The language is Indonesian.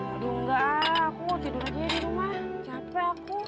aduh enggak aku tidur aja di rumah capek aku